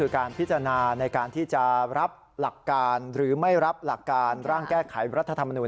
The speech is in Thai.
การพิจารณาในการที่จะรับหลักการหรือไม่รับหลักการร่างแก้ไขรัฐธรรมนูล